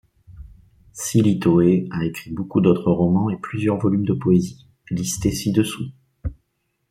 Sillitoe a écrit beaucoup d’autres romans et plusieurs volumes de poésie, listés ci-dessous.